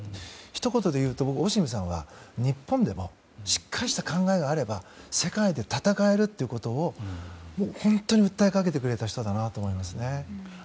ひと言でいうとオシムさんは日本でもしっかりした考えがあれば世界で戦えるということを本当に訴えかけてくれた人だなと思いますね。